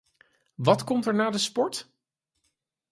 Wat komt er na de sport?